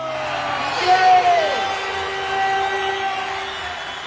イエーイ！